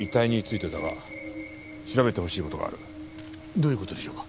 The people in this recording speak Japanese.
どういう事でしょうか？